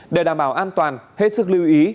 để đảm bảo an toàn hết sức lưu ý